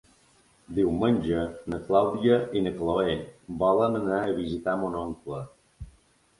Diumenge na Clàudia i na Cloè volen anar a visitar mon oncle.